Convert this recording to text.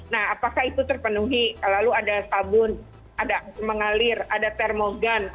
nah apakah itu terpenuhi lalu ada sabun ada mengalir ada termogan ada ruang ganti